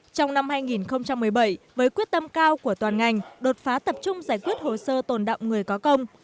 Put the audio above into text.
trong năm hai nghìn một mươi bảy với quyết tâm cao của toàn ngành đột phá tập trung giải quyết hồ sơ tồn động người có công